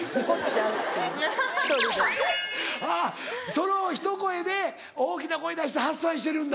そのひと声で大きな声出して発散してるんだ